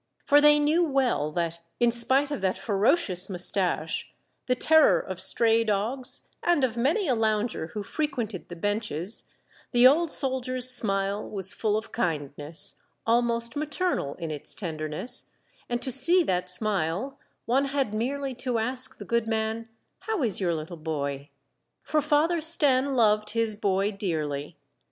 For they knew well that, in spite of that ferocious mustache, the terror of stray dogs and of many a lounger who frequented the benches, the old soldier's smile was full of kindness, almost maternal in its tenderness ; and to see that smile, one had merely to ask the good man, "How is your little boy?" For Father Stenne loved his boy dearly.